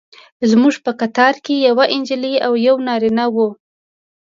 زموږ په قطار کې یوه نجلۍ او یو نارینه و.